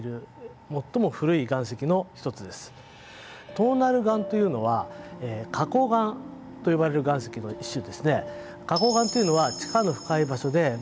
トーナル岩というのは花こう岩と呼ばれる岩石の一種ですね。